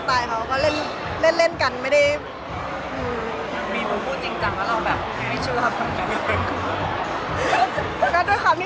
ประโยชน์เค้าเรียนหรือ